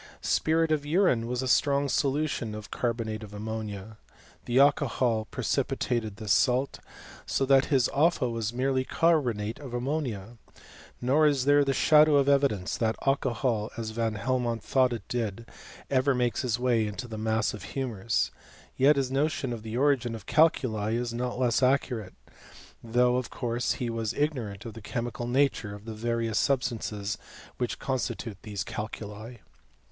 Spirit of urine was a strong solution of carbonate of ammonia. The alcohol precipitated this *alt ; so that his offa was merely carbonate of ammo nia. Nor is there the shadow of evidence that alcohol, as Van Helmont thought it did, ever makes its way into the mass of humours ; yet his notion of the origin of calculi is not less accurate, though of course he Was ignorant of the chemical nature of the various substances which constitute these calculi.